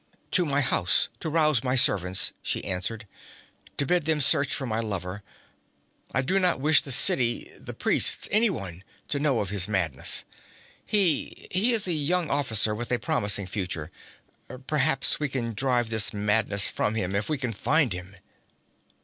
'To my house, to rouse my servants,' she answered. 'To bid them search for my lover. I do not wish the city the priests anyone to know of his madness. He he is a young officer with a promising future. Perhaps we can drive this madness from him if we can find him.'